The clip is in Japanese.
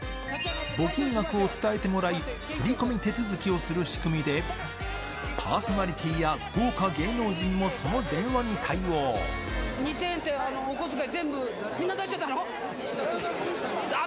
募金額を伝えてもらい、振り込み手続きをする仕組みで、パーソナリティーや豪華芸能人も２０００円って、お小遣い全部、みんな出しちゃったの？